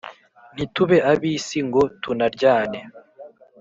ntitube ab’isi ngo tunaryane.